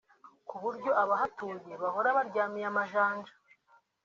kuburyo abahatuye bahora baryamiye amajanja